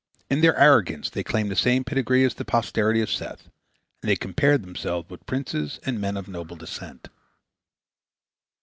In their arrogance they claimed the same pedigree as the posterity of Seth, and they compared themselves with princes and men of noble descent.